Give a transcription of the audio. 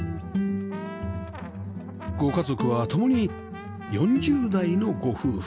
ご家族は共に４０代のご夫婦